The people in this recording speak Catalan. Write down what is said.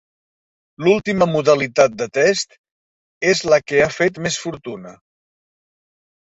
L'última modalitat de test és la que ha fet més fortuna.